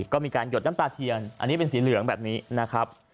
ก็มีการหยดน้ำตาเทียนอันนี้เป็นสีเหลืองแบบนี้นะครับ